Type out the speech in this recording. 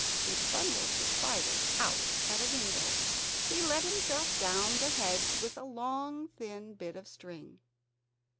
She bundled the spider out at a window. He let himself down the hedge with a long thin bit of string.